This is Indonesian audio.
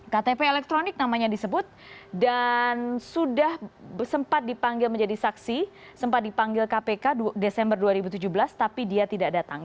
ktp elektronik namanya disebut dan sudah sempat dipanggil menjadi saksi sempat dipanggil kpk desember dua ribu tujuh belas tapi dia tidak datang